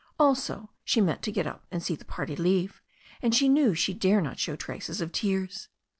Also, she meant to get up and see the party leave, and she knew she dare not show traces of tears.